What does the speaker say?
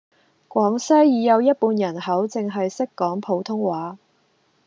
廣西已有一半人口淨係識講普通話